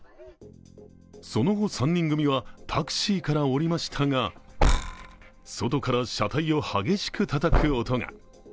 その後、３人組はタクシーから降りましたが外から車体を激しくたたく音が。